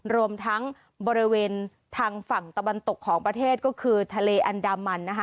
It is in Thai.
รวมทั้งบริเวณทางฝั่งตะวันตกของประเทศก็คือทะเลอันดามันนะคะ